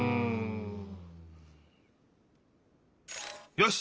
よし！